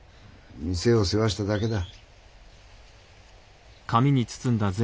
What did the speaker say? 店を世話しただけだ。